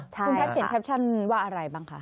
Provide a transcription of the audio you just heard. คุณแท็บสินแท็บชันว่าอะไรบ้างคะ